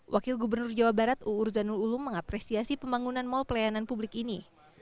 wakil gubernur jawa barat uur zanul ulum mengapresiasi pembangunan mall pelayanan publik ini